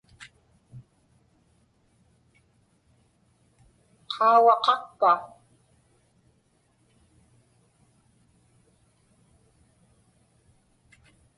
Qaugaqaqpa?